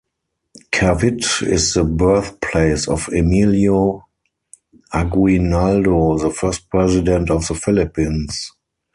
Kawit is the birthplace of Emilio Aguinaldo, the first President of the Philippines.